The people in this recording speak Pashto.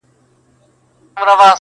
o پور پر غاړه، غوا مرداره!